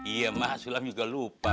iya mak sulam juga lupa